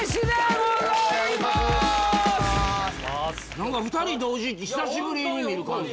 何か２人同時久しぶりに見る感じ